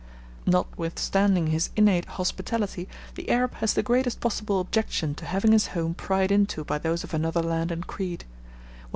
Notwithstanding his innate hospitality, the Arab has the greatest possible objection to having his home pried into by those of another land and creed.